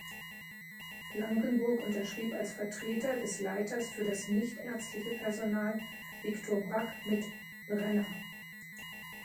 Blankenburg unterschrieb als Vertreter des Leiters für das nichtärztliche Personal, Viktor Brack, mit „"Brenner"“.